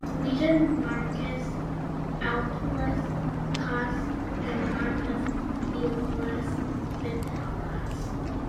Legion, Marcus Ulpius Caius and Marcus Ulpius Vitalis.